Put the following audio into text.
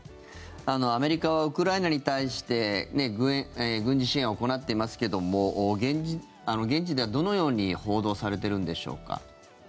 アメリカはウクライナに対して軍事支援を行っていますけども現地ではどのように報道されてるんでしょうか？